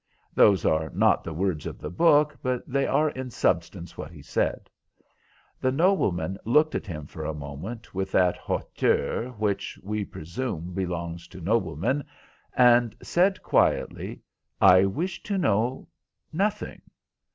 Those are not the words of the book, but they are in substance what he said. The nobleman looked at him for a moment with that hauteur which, we presume, belongs to noblemen, and said quietly, 'I wish to know nothing.